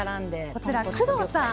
こちら、工藤さん